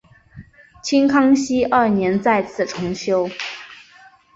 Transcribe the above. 清康熙二年再次重修。